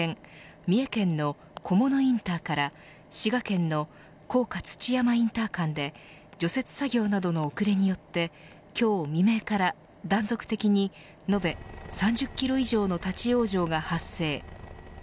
三重県の菰野インターから滋賀県の甲賀土山インター間で除雪作業などの遅れによって今日未明から断続的に延べ３０キロ以上の立ち往生が発生。